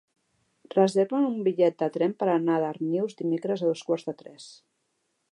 Reserva'm un bitllet de tren per anar a Darnius dimecres a dos quarts de tres.